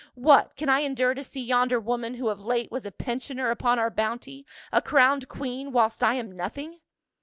What, can I endure to see yonder woman, who of late was a pensioner upon our bounty, a crowned queen, whilst I am nothing?"